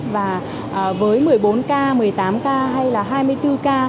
và với một mươi bốn k một mươi tám k hay là hai mươi bốn k